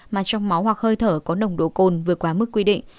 mà trong máu hoặc hơi thở có nồng độ cồn vượt quá mức quy định